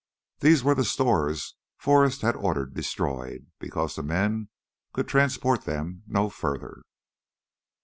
These were the stores Forrest had ordered destroyed because the men could transport them no further.